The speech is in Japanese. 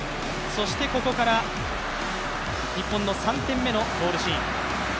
そしてここから日本の３点目のゴールシーン。